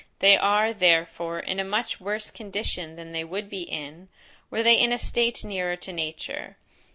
They are, therefore, in a much worse condition than they would be in, were they in a state nearer to nature.